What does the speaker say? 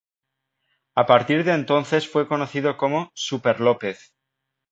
A partir de entonces fue conocido como "Superlópez".